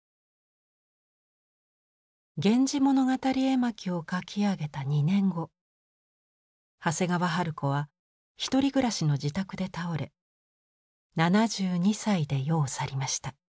「源氏物語絵巻」を描き上げた２年後長谷川春子は独り暮らしの自宅で倒れ７２歳で世を去りました。